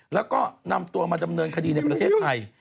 แล้วก็นำตัวมาดำเนินคดีในประเทศไทย